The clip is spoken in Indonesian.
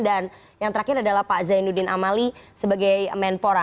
dan yang terakhir adalah pak zainuddin amali sebagai menpora